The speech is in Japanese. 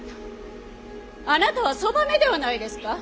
あなたはそばめではないですか。